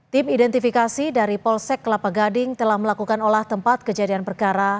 tim identifikasi dari polsek kelapa gading telah melakukan olah tempat kejadian perkara